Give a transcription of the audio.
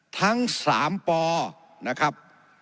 ทั้งสามปนะครับ